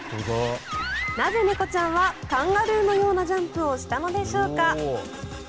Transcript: なぜ猫ちゃんはカンガルーのようなジャンプをしたのでしょうか。